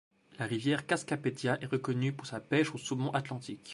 La rivière Cascapédia est reconnue pour sa pêche au saumon atlantique.